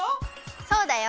そうだよ。